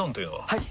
はい！